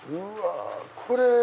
これ。